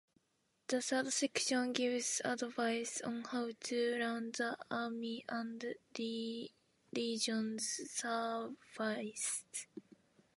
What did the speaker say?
The third section gives advice on how to run the army and religious services.